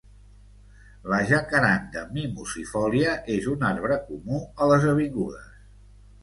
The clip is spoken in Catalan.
La "Jacaranda mimosifolia" és un arbre comú a les avingudes.